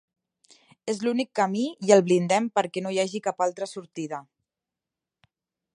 És l'únic camí i el blindem perquè no hi hagi cap altra sortida.